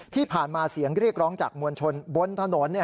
ที่ผ่านมาเสียงเรียกร้องจากมวลชนบนถนน